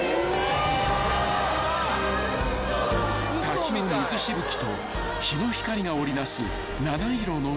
［滝の水しぶきと日の光が織り成す七色の虹］